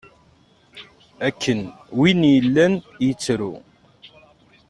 Akken win yellan yettru.